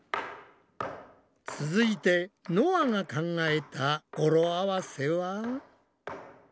続いてのあが考えた語呂合わせは？